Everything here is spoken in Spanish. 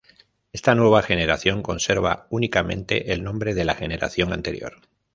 Esta nueva generación conserva únicamente el nombre de la generación anterior.